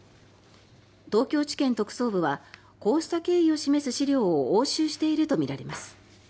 東京地検特捜部はこうした経緯を示す資料を押収しているとみられます。